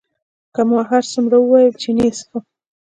که ما هرڅومره وویل چې نه یې څښم.